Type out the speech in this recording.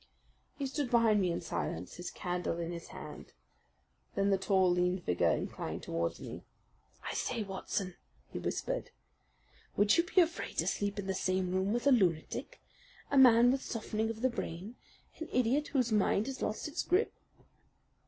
He stood beside me in silence, his candle in his hand. Then the tall, lean figure inclined towards me. "I say, Watson," he whispered, "would you be afraid to sleep in the same room with a lunatic, a man with softening of the brain, an idiot whose mind has lost its grip?"